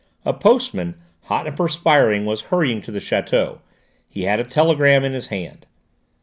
A postman, hot and perspiring, was hurrying to the château; he had a telegram in his hand.